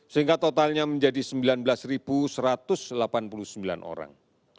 sehingga totalnya menjadi sembilan belas satu ratus delapan puluh sembilan orang